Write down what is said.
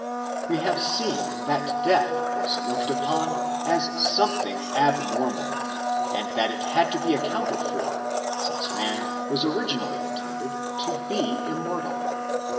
We have seen that death was looked upon as something abnormal, and that it had to be accounted for since man was originally intended to be immortal.